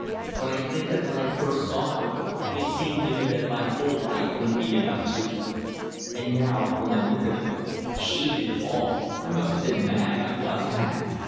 "When I think that when I first knew her it seemed to me that my whole life wouldn't be enough to ... And now when I look at her! She did it all. I must have been mad. I was mad.